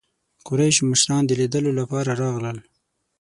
قریشو مشران د لیدلو لپاره راغلل.